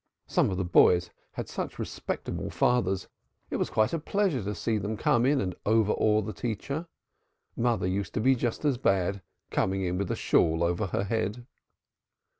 Some of the boys had such respectable fathers, it was quite a pleasure to see them come in and overawe the teacher. Mother used to be as bad, coming in with a shawl over her head."